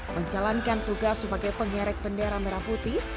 menjalankan tugas sebagai pengerek bendera merah putih